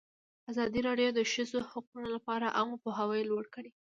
ازادي راډیو د د ښځو حقونه لپاره عامه پوهاوي لوړ کړی.